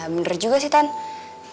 bener juga sih tante